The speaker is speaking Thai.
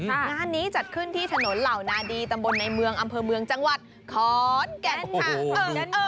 งานนี้จัดขึ้นที่ถนนเหล่านาดีตำบลในเมืองอำเภอเมืองจังหวัดขอนแก่นค่ะ